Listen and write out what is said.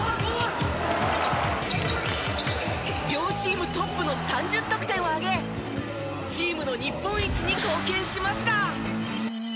両チームトップの３０得点を挙げチームの日本一に貢献しました。